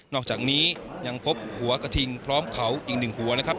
อกจากนี้ยังพบหัวกระทิงพร้อมเขาอีกหนึ่งหัวนะครับ